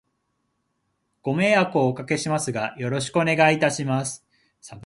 ご迷惑をお掛けしますが、よろしくお願いいたします。